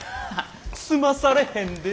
済まされへんでって。